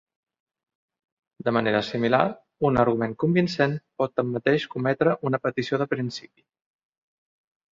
De manera similar, un argument convincent pot tanmateix cometre una petició de principi.